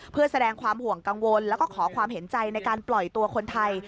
เพื่อแสดงความห่วงกังวลแล้วก็ขอความเห็นใจในการปล่อยตัวคนไทย